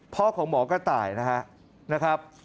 พ่อของหมอกระต่ายนะครับ